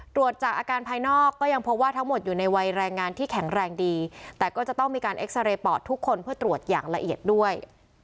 ตรวจจากอาการภายนอกก็ยังพบว่าทั้งหมดอยู่ในวัยแรงงานที่แข็งแรงดีแต่ก็จะต้องมีการเอ็กซาเรย์ปอดทุกคนเพื่อตรวจอย่างละเอียดด้วย